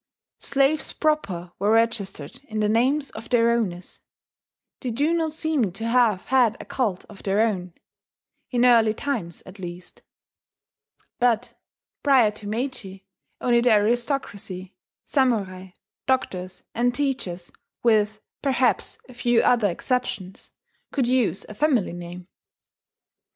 Slaves proper were registered in the names of their owners: they do not seem to have had a cult of their own, in early times, at least. But, prior to Meiji, only the aristocracy, samurai, doctors, and teachers with perhaps a few other exceptions could use a family name.